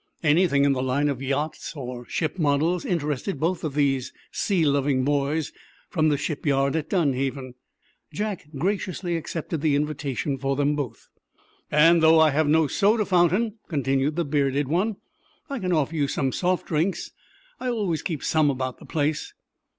Anything in the line of yacht or ship models interested both of these sea loving boys from the shipyard at Dunhaven. Jack graciously accepted the invitation for them both. "And, though I have no soda fountain," continued the bearded one, "I can offer you some soft drinks. I always keep some about the place."